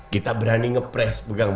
kita berani ngepress